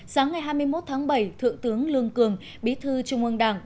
sáng ngày hai mươi một tháng bảy thượng tướng lương cường bí thư trung ương đảng